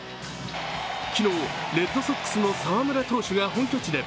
昨日、レッドソックスの澤村投手が本拠地で